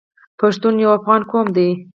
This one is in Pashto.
پښتون یو افغان قوم دی.